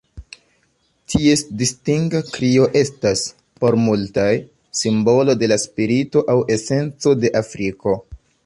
Ties distinga krio estas, por multaj, simbolo de la spirito aŭ esenco de Afriko.